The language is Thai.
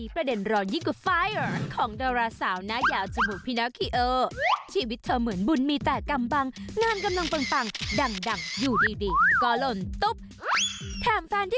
โปรดติดตามตอนต่อไป